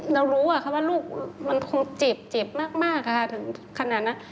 เรารู้ว่าค่ะว่าลูกมันคงเจ็บมากค่ะถึงขนาดนั้น